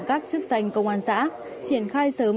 các chức danh công an xã triển khai sớm